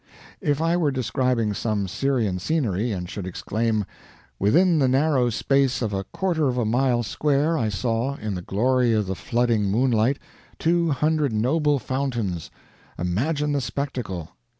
If I were describing some Syrian scenery, and should exclaim, "Within the narrow space of a quarter of a mile square I saw, in the glory of the flooding moonlight, two hundred noble fountains imagine the spectacle!"